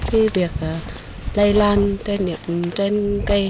hãy hạn chế việc lây lan cây niệm trên cây